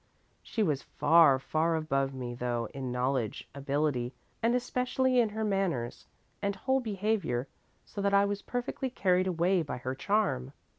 She was far, far above me, though, in knowledge, ability, and especially in her manners and whole behaviour, so that I was perfectly carried away by her charm.